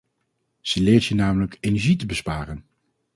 Ze leert je namelijk energie te besparen.